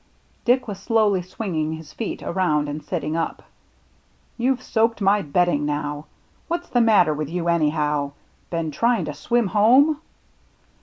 Dick was slowly swinging his feet around and sitting up. "You've soaked my bedding now. What's the matter with you anyhow ? Been trying to swim home